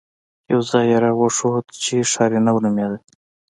يو ځاى يې راوښود چې ښارنو نومېده.